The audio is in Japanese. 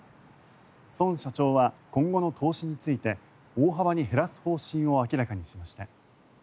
孫社長は今後の投資について大幅に減らす方針を明らかにしました。